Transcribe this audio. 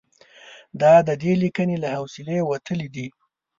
دا د دې لیکنې له حوصلې وتلي دي.